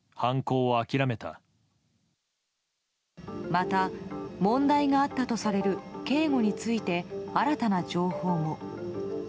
また、問題があったとされる警護について新たな情報も。